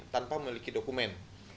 tanpa memiliki dokumen